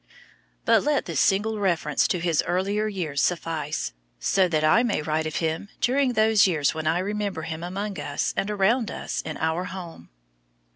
But let this single reference to his earlier years suffice, so that I may write of him during those years when I remember him among us and around us in our home.